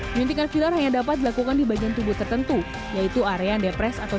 penyuntikan filter hanya dapat dilakukan di bagian tubuh tertentu yaitu area depres atau